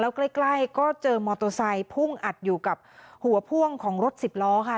ใกล้ก็เจอมอเตอร์ไซค์พุ่งอัดอยู่กับหัวพ่วงของรถสิบล้อค่ะ